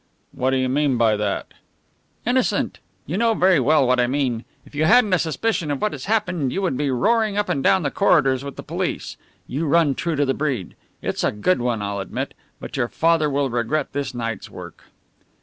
"What do you mean by that?" "Innocent! You know very well what I mean. If you hadn't a suspicion of what has happened you would be roaring up and down the corridors with the police. You run true to the breed. It's a good one, I'll admit. But your father will regret this night's work."